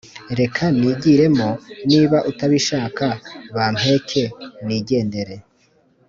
Reka nigiremo niba utabishaka bampeke nigendere